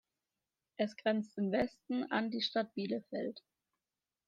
Es grenzt im Westen an die Stadt Bielefeld.